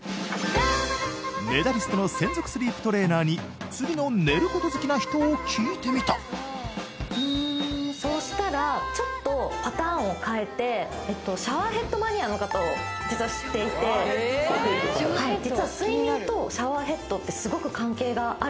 メダリストの専属スリープトレーナーに次の寝ること好きな人を聞いてみたそうしたらちょっとパターンを変えてシャワーヘッドマニアの方を実は知っていて実はその方を紹介しますね